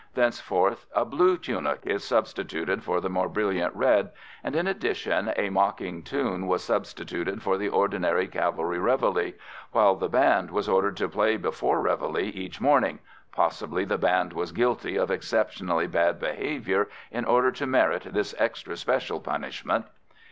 Thenceforth a blue tunic was substituted for the more brilliant red, and in addition a mocking tune was substituted for the ordinary cavalry réveillé, while the band was ordered to play before réveillé each morning possibly the band was guilty of exceptionally bad behaviour in order to merit this extra special punishment.